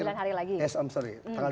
tidak maaf tanggal dua puluh dua